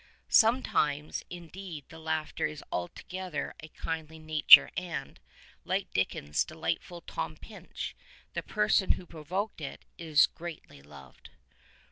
Sometimes indeed the laughter is altogether of a kindly nature and, like Dickens's delightful Tom Pinch, the person who provoked it is greatly loved.